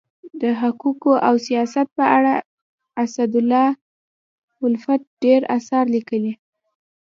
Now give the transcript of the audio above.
د حقوقو او سیاست په اړه اسدالله الفت ډير اثار لیکلي دي.